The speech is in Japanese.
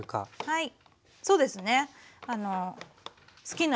はい。